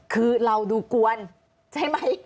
คือเราดูกวนใช่ไหม